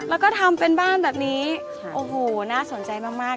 แล้วก็ทำเป็นบ้านแบบนี้โอ้โหน่าสนใจมากมาก